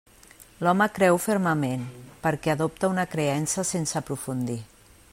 L'home creu fermament, perquè adopta una creença sense aprofundir.